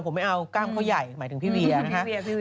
ผมไม่เอากล้ามเขาใหญ่หมายถึงพี่เวียนะคะ